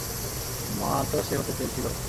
মা তো সে হতে চেয়েছিলো।